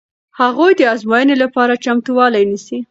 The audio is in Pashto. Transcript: هغوی د ازموینې لپاره چمتووالی نیسي.